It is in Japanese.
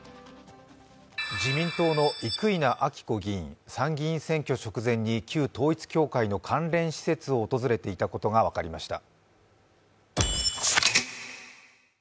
自民党の生稲晃子議員、参議院選挙の前に旧統一教会の関連施設を訪れていたことが分かりました。